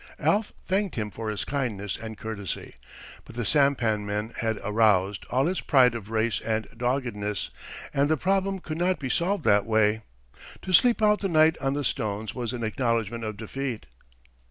" Alf thanked him for his kindness and courtesy; but the sampan men had aroused all his pride of race and doggedness, and the problem could not be solved that way. To sleep out the night on the stones was an acknowledgment of defeat.